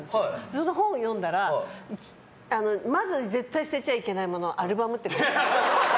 その本を読んだらまず絶対捨てちゃいけないものアルバムって書いてあった。